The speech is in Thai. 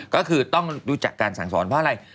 ก็คือต้องรู้จักการสั่งสอนเพราะอะไร